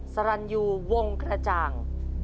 สรรยูวงกระจ่าง